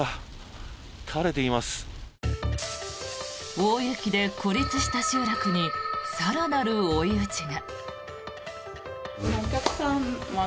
大雪で孤立した集落に更なる追い打ちが。